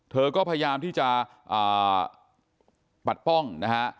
เธอก็พยายามที่จะปัดป้องนะฮะ